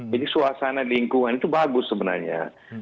jadi suasana lingkungan itu bagus sebenarnya